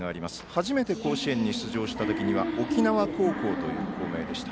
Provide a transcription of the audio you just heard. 初めて甲子園に出場した時には沖縄高校という校名でした。